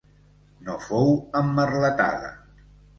No fou emmerletada.